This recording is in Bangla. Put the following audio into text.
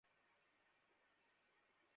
আমাকে মেরে তোকে আর তোর ভাইকে বাঁচা।